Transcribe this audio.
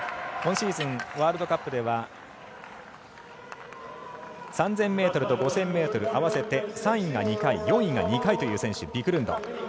今シーズンワールドカップでは３０００ｍと５０００ｍ合わせて３位が２回４位が２回というビクルンド。